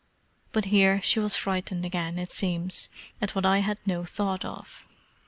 But here she was frightened again, it seems, at what I had no thought of.